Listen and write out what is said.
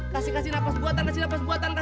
kasih kasih nafas buatan kasih nafas buatan